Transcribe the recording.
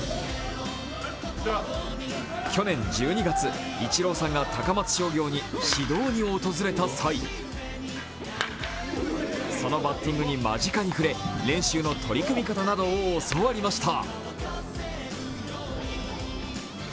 去年１２月、イチローさんが高松商業に指導に訪れた際、そのバッティングに間近に触れ練習の取り組み方などを教わりました。